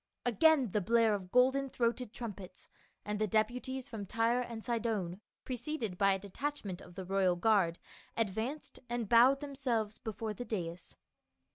Again the blare of golden throated trumpets, and the deputies from Tyre and Sidon, preceded by a de tachment of the royal guard, advanced and bowed themselves before the dais.